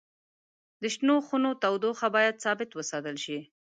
د شنو خونو تودوخه باید ثابت وساتل شي.